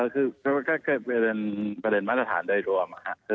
คือในประเมินไว้ประเทศฐานโดยรวม